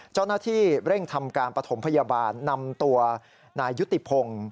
เจ้าหน้าที่เร่งทำการปฐมพยาบาลนำตัวนายยุติพงศ์